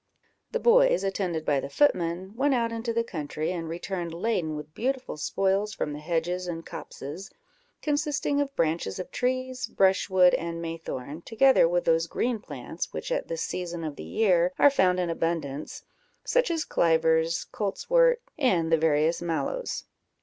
The boys, attended by the footman, went out into the country, and returned laden with beautiful spoils from the hedges and copses, consisting of branches of trees, brushwood, and maythorn, together with those green plants which at this season of the year are found in abundance, such as clivers, coltswort, and the various mallows.